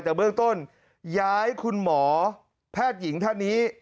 แต่เบื้องต้นย้ายคุณหมอแพทย์หญิงท่านนี้